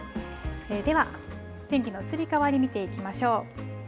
では、天気の移り変わり見ていきましょう。